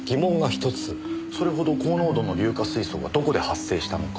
それほど高濃度の硫化水素がどこで発生したのか。